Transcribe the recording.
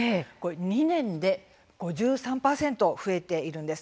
２年で５３％増えているんです。